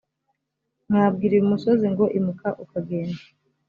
mwabwira uyu musozi ngo imuka ukagenda